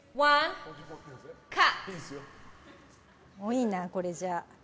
多いな、これじゃ。